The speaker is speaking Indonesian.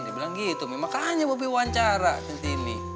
dia bilang gitu makanya bobby wawancara centini